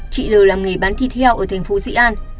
chị l làm nghề bán thịt heo ở thành phố dĩ an